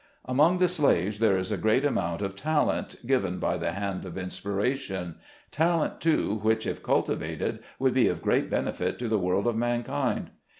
Among the slaves there is a great amount of talent, given by the hand of Inspiration ; talent, too, which if cultivated, would be of great benefit to the world of mankind.